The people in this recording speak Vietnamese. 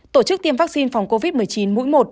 tổ chức tiêm vaccine phòng covid một mươi chín mũi một